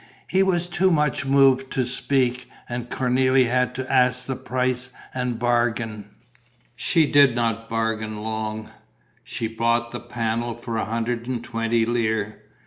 He was too much moved to speak; and Cornélie had to ask the price and bargain. She did not bargain long: she bought the panel for a hundred and twenty lire.